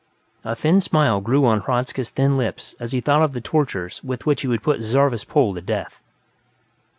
A slow smile grew on Hradzka's thin lips as he thought of the tortures with which he would put Zarvas Pol to death.